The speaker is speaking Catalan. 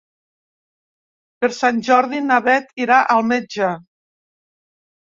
Per Sant Jordi na Beth irà al metge.